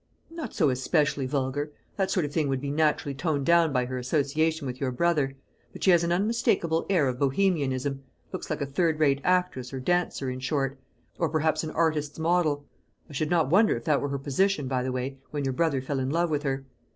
"Not so especially vulgar. That sort of thing would be naturally toned down by her association with your brother. But she has an unmistakable air of Bohemianism; looks like a third rate actress, or dancer, in short; or perhaps an artist's model. I should not wonder if that were her position, by the way, when your brother fell in love with her.